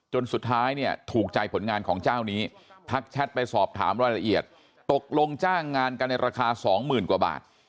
จนสุดท้ายเนี่ยถูกใจผลงานของเจ้านี้ทักแชทไปสอบถามรายละเอียดตกลงจ้างงานกันในราคาสองหมื่นกว่าบาท